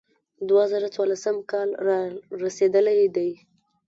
دوه زره څوارلسم کال را رسېدلی دی.